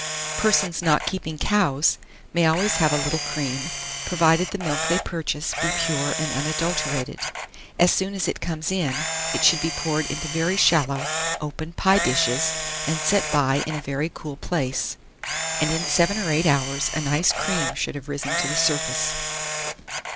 Persons not keeping cows, may always have a little cream, provided the milk they purchase be pure and unadulterated. As soon as it comes in, it should be poured into very shallow open pie dishes, and set by in a very cool place, and in 7 or 8 hours a nice cream should have risen to the surface.